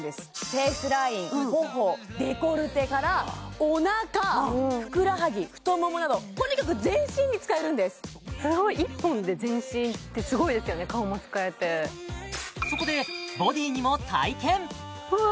フェイスライン頬デコルテからおなかふくらはぎ太ももなどとにかく全身に使えるんですすごい顔も使えてそこでボディにも体験わあ